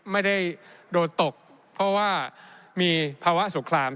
ไม่ได้โดนตกเพราะว่ามีภาวะสงคราม